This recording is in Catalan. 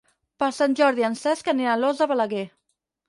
Per Sant Jordi en Cesc anirà a Alòs de Balaguer.